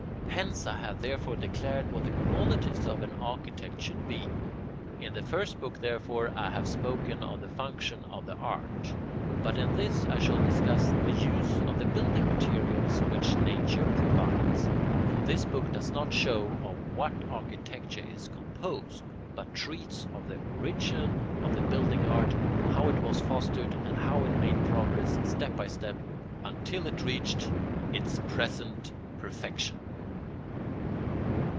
Hence I have there declared what the qualities of an architect should be. In the first book, therefore, I have spoken of the function of the art, but in this I shall discuss the use of the building materials which nature provides. For this book does not show of what architecture is composed, but treats of the origin of the building art, how it was fostered, and how it made progress, step by step, until it reached its present perfection.